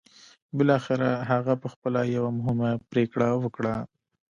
بالاخره هغه پخپله یوه مهمه پرېکړه وکړه